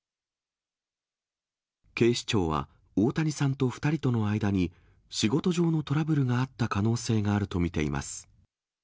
警視庁は、大谷さんと２人との間に、仕事上のトラブルがあった可能性があると見ています。